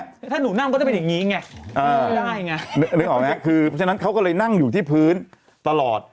คือถ้าหนูนั่งก็จะเป็นอย่างนี้ไงไม่ได้ไงนึกออกไหมคือเพราะฉะนั้นเขาก็เลยนั่งอยู่ที่พื้นตลอด